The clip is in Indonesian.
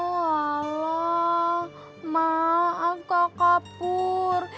walah maaf kakak pur